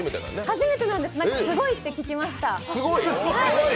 初めてなんです、何かすごいって聞きました。